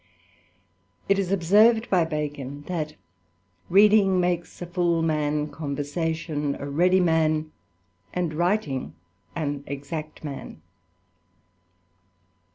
T^ is observed by Bacon, that "reading makes a full " man, conversation a ready man, and writing an exact ^^aan."